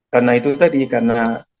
karena itu tadi karena